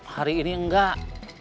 hari ini enggak